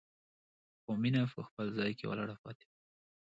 خو مينه په خپل ځای کې ولاړه پاتې وه.